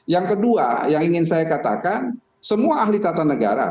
yang kedua yang ingin saya katakan semua ahli tata negara